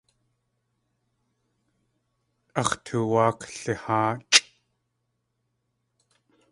Ax̲ tuwáa kliháachʼ.